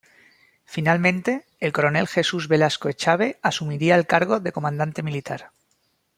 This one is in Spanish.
Finalmente, el coronel Jesús Velasco Echave asumiría el cargo de comandante militar.